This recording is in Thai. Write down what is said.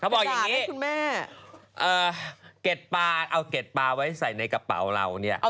เขาบอกอย่างนี้เอาเกร็ดปลาไว้ใส่ในกระเป๋าเราเนี่ย